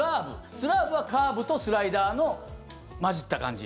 スラーブはカーブとスライダーの混じった感じ。